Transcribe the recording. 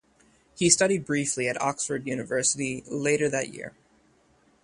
He studied briefly at Oxford University later that year.